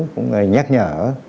cũng nhắc nhở